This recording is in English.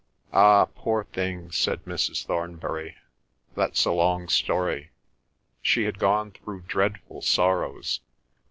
"Ah, poor thing," said Mrs. Thornbury, "that's a long story. She had gone through dreadful sorrows.